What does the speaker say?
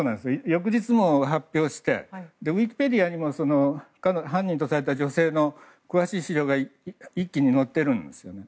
翌日、もう発表してウィキペディアにも犯人とされた女性の詳しい資料が一気に載ってるんですよね。